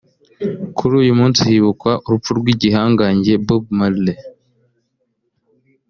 Kuri uyu munsi hibukwa urupfu rw’igihangange Bob Marley